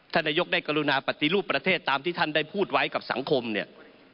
นายกได้กรุณาปฏิรูปประเทศตามที่ท่านได้พูดไว้กับสังคมเนี่ย